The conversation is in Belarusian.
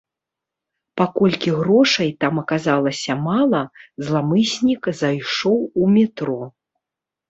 Паколькі грошай там аказалася мала, зламыснік зайшоў у метро.